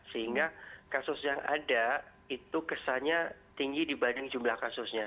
sehingga kasus yang ada itu kesannya tinggi dibanding jumlah kasusnya